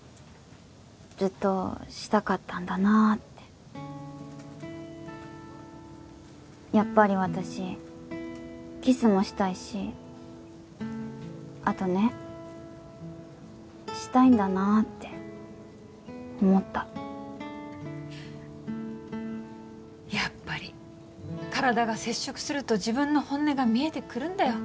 ずっとしたかったんだなあってやっぱり私キスもしたいしあとねシたいんだなあって思ったやっぱり体が接触すると自分の本音が見えてくるんだよ